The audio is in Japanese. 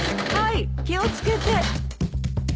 はい気を付けて。